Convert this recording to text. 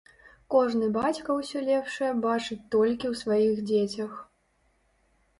Кожны бацька ўсё лепшае бачыць толькі ў сваіх дзецях.